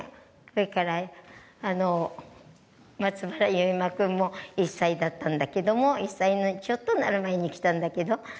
それから松原唯真くんも１歳だったんだけども１歳にちょっとなる前に来たんだけどねえ。